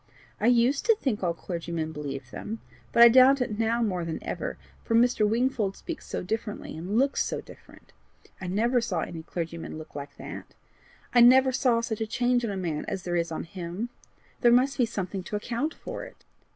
I USED to think all clergymen believed them, but I doubt it now more than ever, for Mr. Wingfold speaks so differently and looks so different. I never saw any clergyman look like that; and I never saw such a change on a man as there is on him. There must be something to account for it.